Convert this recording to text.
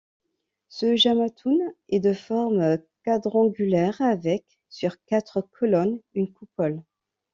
Ce jamatoun est de forme quadrangulaire, avec, sur quatre colonnes, une coupole.